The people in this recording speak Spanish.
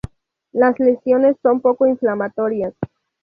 Las lesiones son poco inflamatorias.